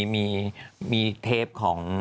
มีเทปของ